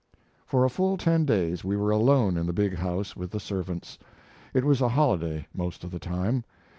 For a full ten days we were alone in the big house with the servants. It was a holiday most of the time.